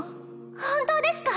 本当ですか？